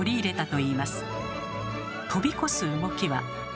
とび越す動きは。